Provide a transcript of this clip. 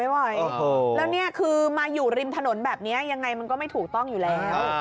แล้วนี่คือมาอยู่ริมถนนแบบนี้ยังไงมันก็ไม่ถูกต้องอยู่แล้ว